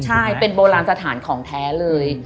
ใช่เป็นโบราณสถานของแท้เลย